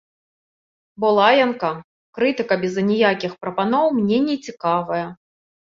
Бо лаянка, крытыка без аніякіх прапаноў мне нецікавая.